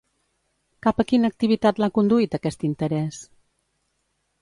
Cap a quina activitat l'ha conduït aquest interès?